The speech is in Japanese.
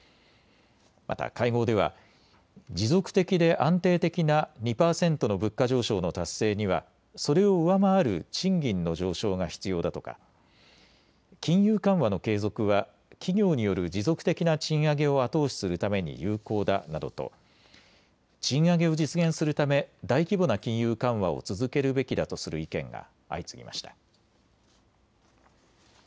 また会合では持続的で安定的な２％の物価上昇の達成にはそれを上回る賃金の上昇が必要だとか金融緩和の継続は企業による持続的な賃上げを後押しするために有効だなどと賃上げを実現するため大規模な金融緩和を続けるべきだとする意見が相次ぎました。